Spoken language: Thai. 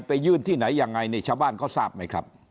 ไปยื่นที่ไหนยังไงนี่ชาวบ้านเขาทราบไหมครับ